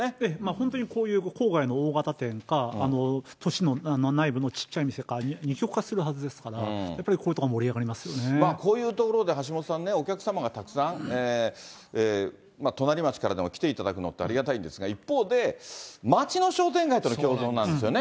本当にこういう郊外の大型店化、都市の内部の小っちゃい店か、二極化するはずですから、やっぱりこういうところが盛り上がりまこういう所で橋下さんね、お客様がたくさん隣町からでも来ていただくのってありがたいんですが、一方で、町の商店街との共存なんですよね。